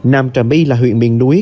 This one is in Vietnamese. nam trà my là huyện miền núi